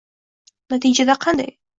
Natija qanday?